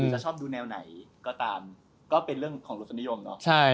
จะชอบดูแนวไหนก็ตามก็เป็นเรื่องของรสนิยมเนาะ